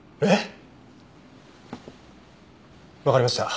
えっ！？